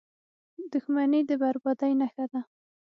• دښمني د بربادۍ نښه ده.